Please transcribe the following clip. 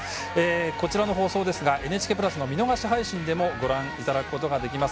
こちらの放送ですが「ＮＨＫプラス」の見逃し配信でもご覧いただくことができます。